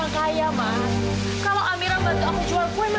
kamu tuh bener bener keterlaluan ya